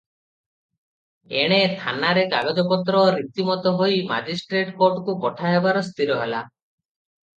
ଏଣେ ଥାନାରେ କାଗଜପତ୍ର ରୀତିମତ ହୋଇ ମାଜିଷ୍ଟ୍ରେଟ୍ କୋଟ୍କୁ ପଠା ହେବାର ସ୍ଥିର ହେଲା ।